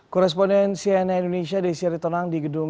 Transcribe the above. koresponden cna indonesia desyari tonang di gedung